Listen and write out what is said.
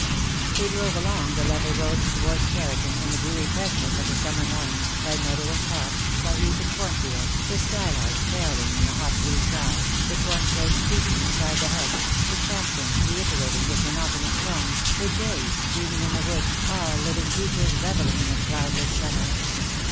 They drove along the level road towards Cheriton, in the dewy freshness of the summer morning, by meadow and copse, by heath and cornfield, the skylarks carolling in the hot blue sky, the corncrake creaking inside the hedge, the chaffinch reiterating his monotonous note, the jay screaming in the wood, all living creatures revelling in the cloudless summer.